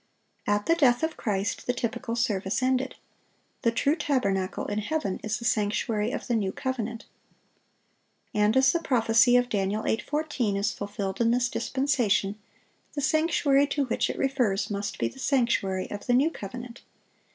At the death of Christ the typical service ended. The "true tabernacle" in heaven is the sanctuary of the new covenant. And as the prophecy of Dan. 8:14 is fulfilled in this dispensation, the sanctuary to which it refers must be the sanctuary of the new covenant.